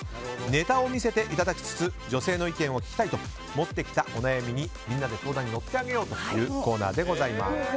ネタを見せていただきつつ女性の意見を聞きたいと持ってきたお悩みに、みんなで相談に乗ってあげようというコーナーでございます。